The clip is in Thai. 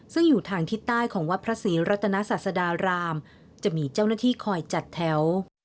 ซึ่งอยู่ทางทิศใต้ของวัดพระศรีรัตนศาสดารามจะมีเจ้าหน้าที่คอยจัดแถว